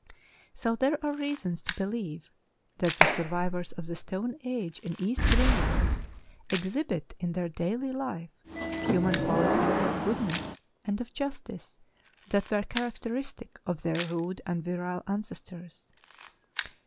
So there are reasons to believe that the survivors of the stone age in East Greenland exhibit in their daily life human qualities of goodness and of justice that were characteristic of their rude and virile ancestors.